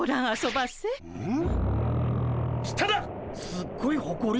すっごいほこり！